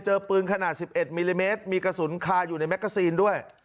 เจอปืนขนาด๑๑มิลลิเมตรมีกระสุนคาอยู่ในแกซีนด้วย